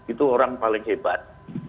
itu orang paling hebat